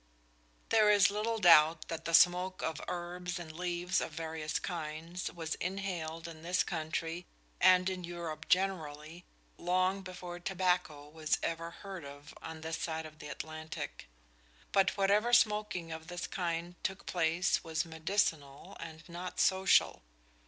There is little doubt that the smoke of herbs and leaves of various kinds was inhaled in this country, and in Europe generally, long before tobacco was ever heard of on this side the Atlantic. But whatever smoking of this kind took place was medicinal and not social.